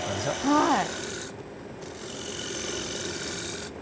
はい。